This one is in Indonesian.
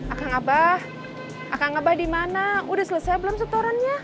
akan abah akan abah di mana udah selesai belum setorannya